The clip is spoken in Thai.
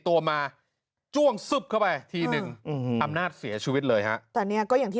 แต่ทั้งฝั่งทะนงอ่ะจะพูดอะไรก็ได้